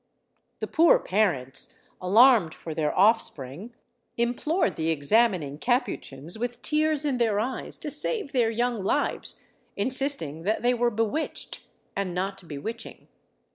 The poor parents, alarmed for their offspring, implored the examining Capuchins with tears in their eyes to save their young lives, insisting that they were bewitched, and not bewitching.